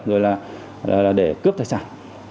rồi là để cướp tài sản